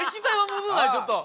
ちょっと！